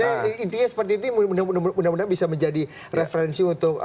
jadi intinya seperti ini mudah mudahan bisa menjadi referensi untuk